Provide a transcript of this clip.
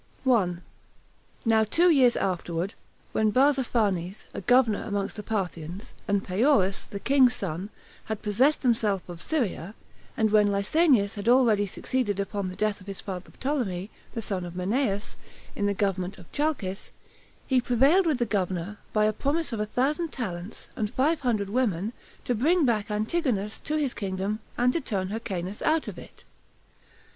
1. Now two years afterward, when Barzapharnes, a governor among the Parthians, and Paeorus, the king's son, had possessed themselves of Syria, and when Lysanias had already succeeded upon the death of his father Ptolemy, the son of Menneus, in the government [of Chalcis], he prevailed with the governor, by a promise of a thousand talents, and five hundred women, to bring back Antigonus to his kingdom, and to turn Hyrcanus out of it.